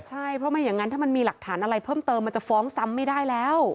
ใช่เพราะไม่อย่างนั้นถ้ามันมีหลักฐานอะไรเพิ่มเติมมันจะฟ้องซ้ำไม่ได้แล้ว